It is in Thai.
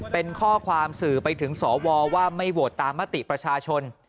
เป็นข้อความสื่อไปถึงสวว่าไม่โหวตตามมติประชาชน